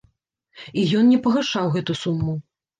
І ён не пагашаў гэту суму.